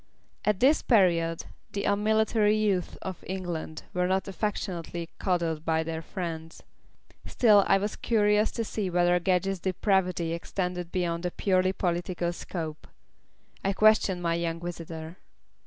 At this period, the unmilitary youth of England were not affectionately coddled by their friends. Still, I was curious to see whether Gedge's depravity extended beyond a purely political scope. I questioned my young visitor.